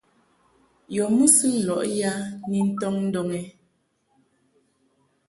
Yɔ mɨsɨŋ lɔʼ ya ni ntɔŋ ndɔŋ ɛ ?